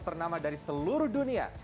ternama dari seluruh dunia